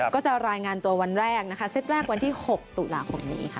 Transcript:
ก็จะรายงานตัววันแรกนะคะเซตแรกวันที่๖ตุลาคมนี้ค่ะ